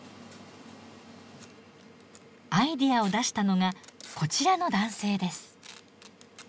アイデアを出したのがこちらの男性です。